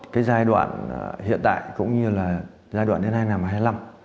cái giai đoạn hiện tại cũng như là giai đoạn đến nay là hai mươi hai năm